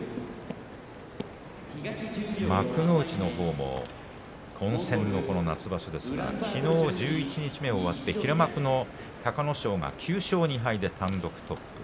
幕内のほうも混戦のこの夏場所ですがきのう十一日目を終わって平幕の隆の勝が９勝２敗で単独トップ。